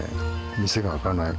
店が開かない。